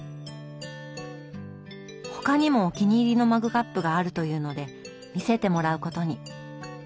他にもお気に入りのマグカップがあるというので見せてもらうことに。